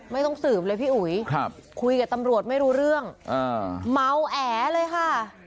ไม่ต้องสืบเลยพี่อุ๋ยคุยกับตำรวจไม่รู้เรื่องเมาแอเลยค่ะ